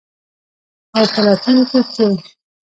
او په راتلونکي کې.